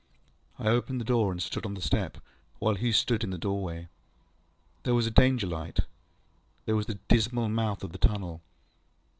I opened the door, and stood on the step, while he stood in the doorway. There was the Danger light. There was the dismal mouth of the tunnel.